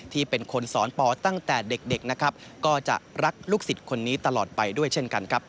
ที่เป็นคนสอนปอตั้งแต่เด็กนะครับก็จะรักลูกศิษย์คนนี้ตลอดไปด้วยเช่นกันครับ